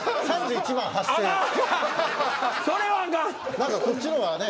何かこっちの方がね。